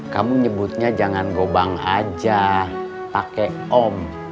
kamu nyebutnya jangan gopang aja pake om